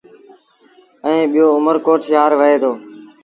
ائيٚݩ ٻيٚو اُمر ڪوٽ شآهر وهي دو۔